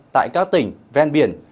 tại các tỉnh ven biển